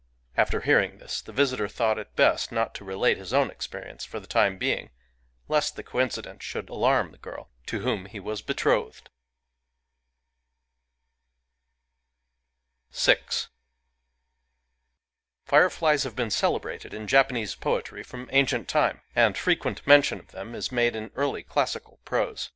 After hear ing this, the visitor thought it best not to relate his own experience for the time being, lest the coincidence should alarm the girl, to whom he was betrothed. Digitized by Googk FIREFLIES 155 VI Fireflies have been celebrated in Japanese poetry from ancient time ; and frequent mention of them is made in early classical prose.